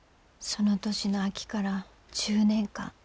その年の秋から１０年間。